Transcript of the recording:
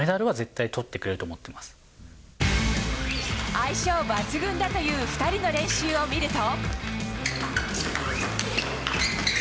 相性抜群だという２人の練習を見ると。